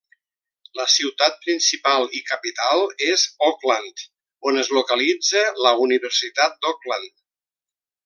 La ciutat principal i capital és Auckland, on es localitza la Universitat d'Auckland.